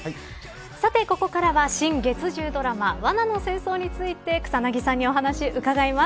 さて、ここからは新月１０ドラマ罠の戦争について草なぎさんに、お話伺います。